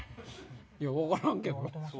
いや分からんけどな。